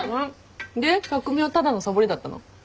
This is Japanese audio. で匠はただのサボりだったの？